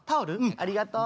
ありがとう。